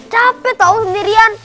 capek tau sendirian